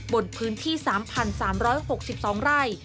บนพื้นที่๓๓๖๒ไร่